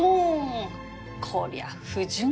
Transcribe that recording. こりゃ不純だわ！